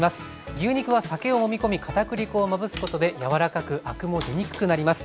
牛肉は酒をもみ込み片栗粉をまぶすことで柔らかくアクも出にくくなります。